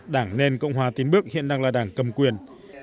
đảng nền cộng hòa tiến bước hiện đang là đảng cầm quyền